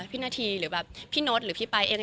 พี่นาธีหรือพี่โน้ตหรือพี่ป้ายเอง